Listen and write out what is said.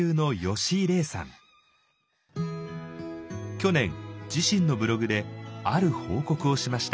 去年自身のブログである報告をしました。